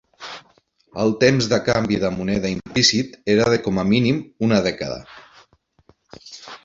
El temps de canvi de moneda implícit era de com a mínim una dècada.